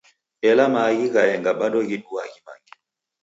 Ela maaghi ghaenga bado ghiduaa ghimange.